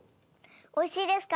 美味しいですか？